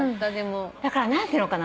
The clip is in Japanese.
だから何ていうのかな